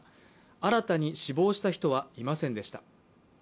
新たに死亡した人はいませんでした。